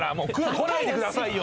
来ないでくださいよ！